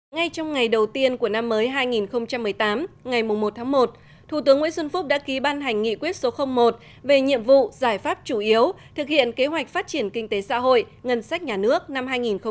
ngay trong ngày đầu tiên của năm mới hai nghìn một mươi tám ngày một tháng một thủ tướng nguyễn xuân phúc đã ký ban hành nghị quyết số một về nhiệm vụ giải pháp chủ yếu thực hiện kế hoạch phát triển kinh tế xã hội ngân sách nhà nước năm hai nghìn một mươi chín